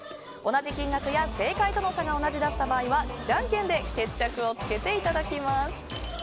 同じ金額や正解との差が同じだった場合はじゃんけんで決着をつけていただきます。